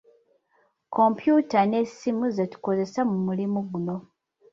Kompyuta n'essimu ze tukozesa mu mulimu guno.